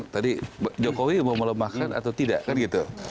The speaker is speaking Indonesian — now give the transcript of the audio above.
tadi jokowi mau melemahkan atau tidak kan gitu